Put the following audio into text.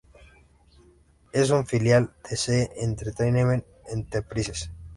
Es un filial de Zee Entertainment Enterprises.